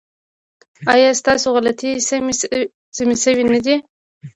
ایا ستاسو غلطۍ سمې شوې نه دي؟